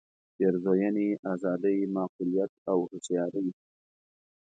پېرزوینې آزادۍ معقولیت او هوښیارۍ.